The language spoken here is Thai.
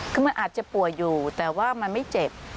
คือมันอาจจะป่วยอยู่แต่ว่ามันไม่เจ็บ